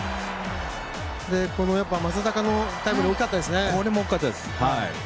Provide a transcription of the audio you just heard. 正尚のホームランも大きかったですね。